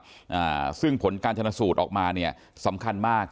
อ่าซึ่งผลการชนสูตรออกมาเนี่ยสำคัญมาก